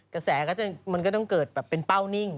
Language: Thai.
กระแสมันก็ต้องเกิดแบบเป็นเป้านิ่ง